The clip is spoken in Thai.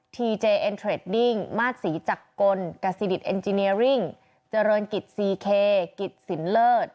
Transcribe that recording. ทีเจเอ็นเทรดดิ้งมาสศรีจักริดิตเอ็นจิเนียริ่งเจริญกิจซีเคกิจสินเลิศ